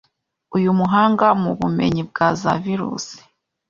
Uyu muhanga mu bumenyi bwa za virusi